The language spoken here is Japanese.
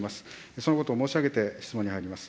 そのことを申し上げて、質問に入ります。